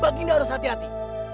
baginda harus hati hati